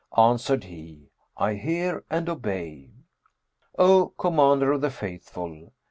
Answered he: "I hear and obey, O Commander of the Faithful.